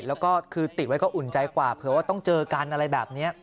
แล้วก็คือติดไว้ก็อุ่นใจกว่าเผื่อว่าต้องเจอกันอะไรแบบนี้